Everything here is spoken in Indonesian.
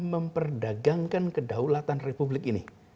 memperdagangkan kedaulatan republik ini